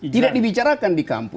tidak dibicarakan di kampus